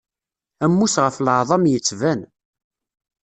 Ammus ɣef leεḍam yettban.